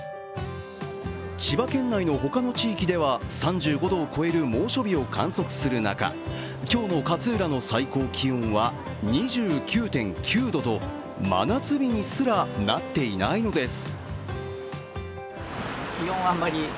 千葉県内の他の地域では、３５度を超える猛暑日を観測する中、今日の勝浦の最高気温は２９．９度と真夏日にすらなっていないのです。